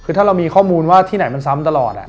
คือถ้าเรามีข้อมูลว่าที่ไหนมันซ้ำตลอด